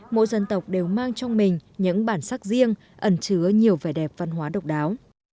mỗi dân tộc đều mang trong mình những bản sắc riêng ẩn trứa nhiều vẻ đẹp văn hóa độc đáo